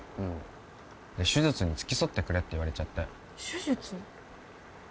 うんで手術に付き添ってくれって言われちゃって手術？